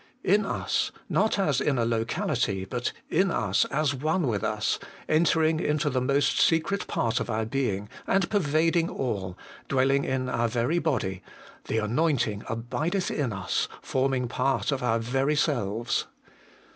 In us, not as in a locality, but in us, as one with us, entering into the most secret part of our being, and pervading all, dwelling in our very body, the anointing abideth in us, forming part of our very selves.